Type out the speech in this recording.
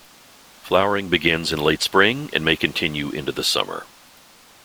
Flowering begins in late spring and may continue into the summer.